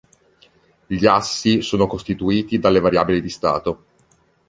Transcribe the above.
Gli assi sono costituiti dalle variabili di stato.